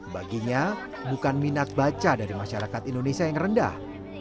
baginya bukan minat baca dari masyarakat indonesia yang rendah